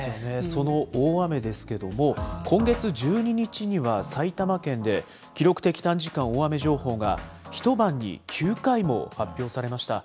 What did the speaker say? その大雨ですけれども、今月１２日には埼玉県で、記録的短時間大雨情報が、一晩に９回も発表されました。